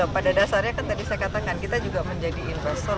pada dasarnya kan tadi saya katakan kita juga menjadi investor